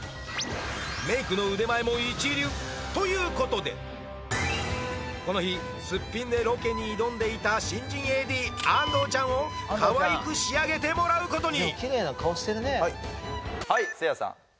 メイクの腕前も一流ということでこの日すっぴんでロケに挑んでいた新人ＡＤ安藤ちゃんをかわいく仕上げてもらうことにはいせいやさん